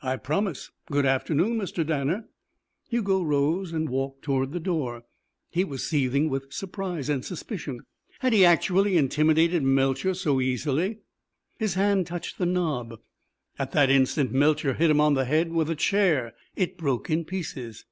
"I promise. Good afternoon, Mr. Danner." Hugo rose and walked toward the door. He was seething with surprise and suspicion. Had he actually intimidated Melcher so easily? His hand touched the knob. At that instant Melcher hit him on the head with a chair. It broke in pieces.